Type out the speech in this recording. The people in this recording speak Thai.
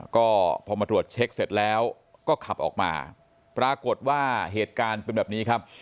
ก็พอมาตรวจเช็คเสร็จแล้วก็ขับออกมาปรากฏว่าเหตุการณ์เป็นแบบนี้ครับ